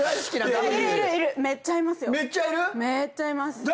めーっちゃいます。